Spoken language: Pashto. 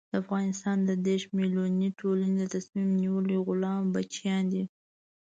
د افغانستان د دېرش ملیوني ټولنې د تصمیم نیولو غلام بچیان دي.